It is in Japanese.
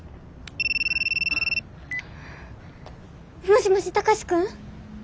もしもし貴司君！？